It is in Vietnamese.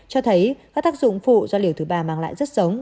cho thấy các tác dụng phụ do liều thứ ba mang lại rất sống